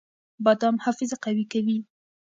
بادام حافظه قوي کوي.